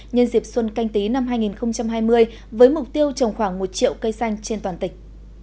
nhân dịp xuân canh tí năm hai nghìn hai mươi với mục tiêu trồng khoảng một triệu cây xanh trên toàn tỉnh